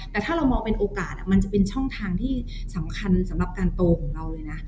แต่ถ้าเรามองเป็นโอกาสมันจะเป็นช่องทางที่สำคัญสำหรับการโตของเราเลยนะ